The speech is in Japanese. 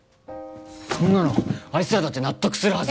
そんなのあいつらだって納得するはず